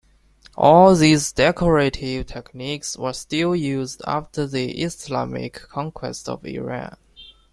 All these decorative techniques were still used after the Islamic conquest of Iran.